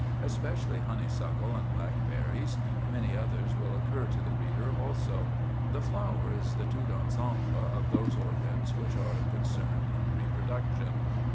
Especially honeysuckle and blackberries. Many others will occur to the reader also. The flower is the tout ensemble of those organs which are concerned in reproduction.